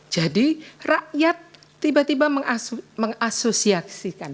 jadi rakyat tiba tiba mengasosiasikan